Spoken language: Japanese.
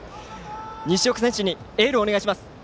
西岡選手にエールをお願いします。